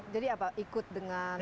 jadi apa ikut dengan perencanaan